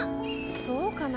そうかな？